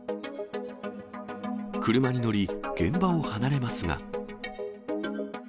車に乗り、現場を離れますが。